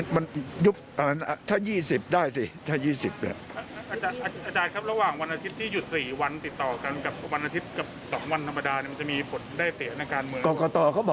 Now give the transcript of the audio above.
ถ้ายุบ๒๐๑๔จะไปได้ไหมครับ